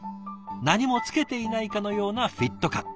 何も着けていないかのようなフィット感。